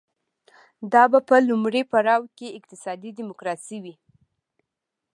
دا به په لومړي پړاو کې اقتصادي ډیموکراسي وي